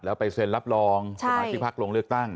แล้วไปเซ็นรับรองสมาชิกพักลงเลือกตั้ง